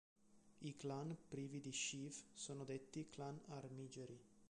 I clan privi di chief sono detti clan armigeri.